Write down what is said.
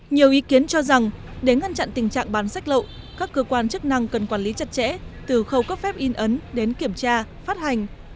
nhiều ý kiến cho rằng để ngăn chặn tình trạng bán sách lậu các cơ quan chức năng cần quản lý chặt chẽ từ khâu cấp phép in ấn đến kiểm tra phát hành